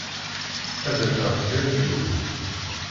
Ad d-afeɣ kra n yiwet.